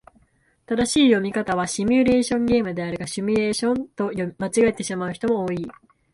正しい読み方はシミュレーションゲームであるが、シュミレーションと間違えてしまう人も多い。